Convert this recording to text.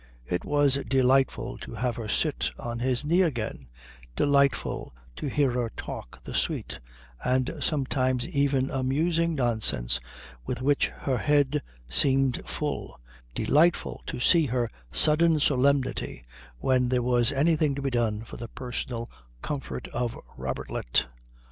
It was delightful to have her sit on his knee again, delightful to hear her talk the sweet and sometimes even amusing nonsense with which her head seemed full, delightful to see her sudden solemnity when there was anything to be done for the personal comfort of Robertlet.